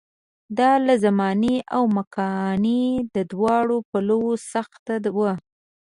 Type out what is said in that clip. دا له زماني او مکاني دواړو پلوه سخته وه.